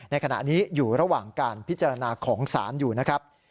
ในขณะนี้อยู่ระหว่างการพิจารณาของศาลอยู่นะครับ